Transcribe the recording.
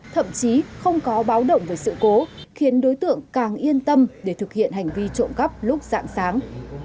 thậm chí không có báo động về sự cố khiến đối tượng càng yên tâm để thực hiện hành vi trộm cắp lúc dạng sáng